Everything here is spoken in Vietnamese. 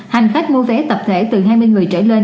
hành khách mua vé tập thể từ hai mươi người trở lên